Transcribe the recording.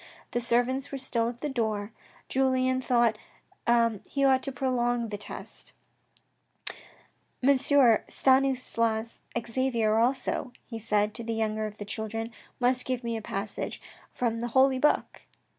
The servants were still at the door. Julien thought that he ought to prolong the test —" M. Stanislas Xavier also," he said to the youngest of the children, " must give me a passage from the holy book."